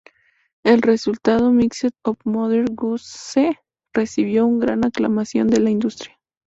El resultado, "Mixed-Up Mother Goose", recibió una gran aclamación de la industria.